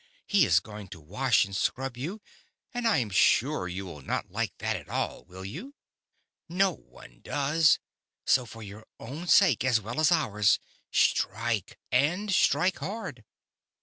He is going to wash and scrub you, and I am sure you will not like that at all, will you? No one does. So for your own sake, as well as ours, strike, and strike hard."